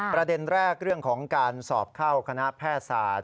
ประเด็นแรกเรื่องของการสอบเข้าคณะแพทยศาสตร์